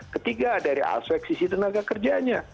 ketiga dari aspek sisi tenaga kerjanya